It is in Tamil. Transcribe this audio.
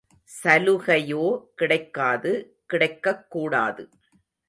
சலுகையோ கிடைக்காது கிடைக்கக்கூடாது.